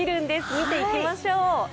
見ていきましょう。